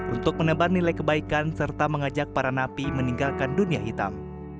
untuk menebar nilai kebaikan serta mengajak para napi meninggalkan dunia hitam